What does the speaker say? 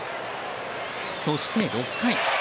そして６回。